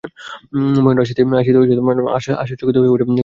মহেন্দ্র আসিতেই আশা চকিত হইয়া উঠিয়া ঘর ছাড়িয়া চলিয়া গেল।